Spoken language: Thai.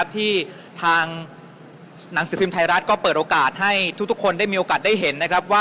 ที่ทางนังสือพิมพ์ไทยรัฐเปิดโอกาสให้ทุกคนได้เห็น